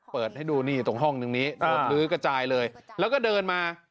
เปิดให้ดูนี่ตรงห้องนึงนี้โดนลื้อกระจายเลยแล้วก็เดินมา